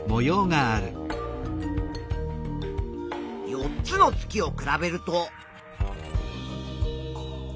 ４つの月を比べると。